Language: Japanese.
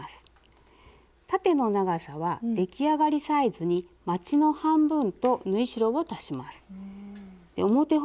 縦の長さは出来上がりサイズにまちの半分と縫い代を足します。